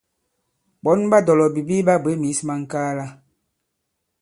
Ɓɔ̌n ɓa dɔ̀lɔ̀bìbi ɓa bwě mǐs ma ŋ̀kaala.